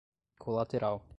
colateral